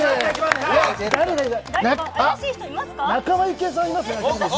仲間由紀恵さんいますね。